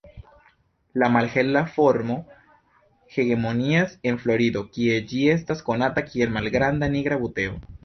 La malhela formo hegemonias en Florido, kie ĝi estas konata kiel "malgranda nigra buteo".